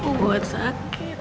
aku buat sakit